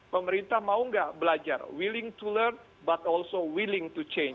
pemerintah mau nggak belajar willing to learn but also willing to change